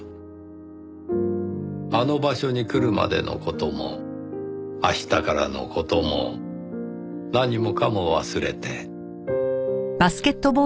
あの場所に来るまでの事も明日からの事も何もかも忘れて。